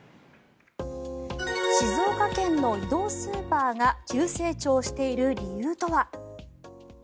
静岡県の移動スーパーが急成長している理由とは。